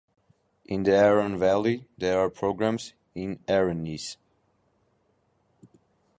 In the Aran Valley, there are programs in Aranese.